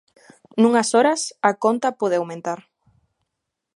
Nunhas horas, a conta pode aumentar.